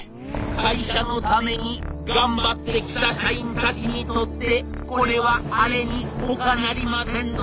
「会社のために頑張ってきた社員たちにとってこれはあれに他なりませんぞ！